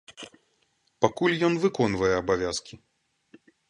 Пакуль ён выконвае абавязкі.